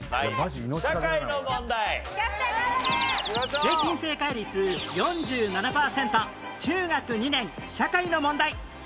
平均正解率４７パーセント中学２年社会の問題きました。